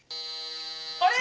あれ！？